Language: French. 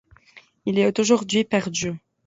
Il est aujourd'hui perdu.